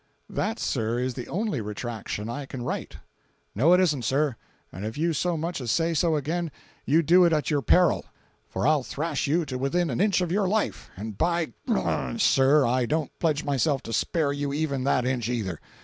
"That, sir, is the only retraction I can write." "No it isn't, sir, and if you so much as say so again you do it at your peril, for I'll thrash you to within an inch of your life, and, by—, sir, I don't pledge myself to spare you even that inch either.